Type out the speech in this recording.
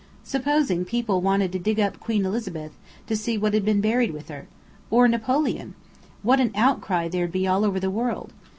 Supposing people wanted to dig up Queen Elizabeth, to see what had been buried with her? Or Napoleon? What an outcry there'd be all over the world.